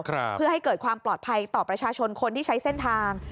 เพื่อให้เกิดความปลอดภัยต่อประชาชนคนที่ใช้เส้นทาง